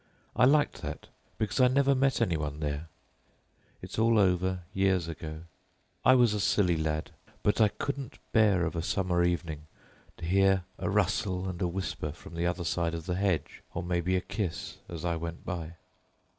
I liked that because I never met any one there. It's all over, years ago. I was a silly lad; but I couldn't bear of a summer evening to hear a rustle and a whisper from the other side of the hedge, or maybe a kiss as I went by.